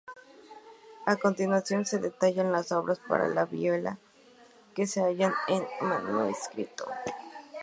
A continuación se detallan las obras para vihuela que se hallan en el manuscrito.